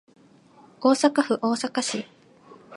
大阪府大阪市